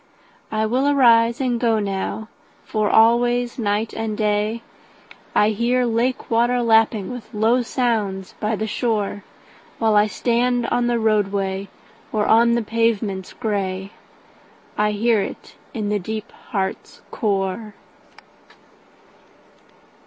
I will arise and go now, for always night and dayI hear lake water lapping with low sounds by the shore; While I stand on the roadway, or on the pavements gray,I hear it in the deep heart's core.